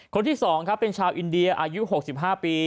คนที่๒ครับเป็นชาวอินเดียอายุ๖๕ปี